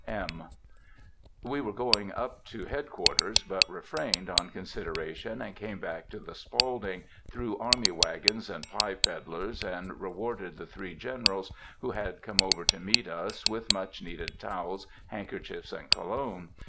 (M.) We were going up to head quarters, but refrained, on consideration, and came back to the Spaulding, through army wagons and pie pedlers, and rewarded the three Generals who had come over to meet us with much needed towels, handkerchiefs, and cologne.